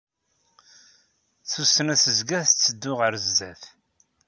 Tussna tezga tetteddu ɣer sdat.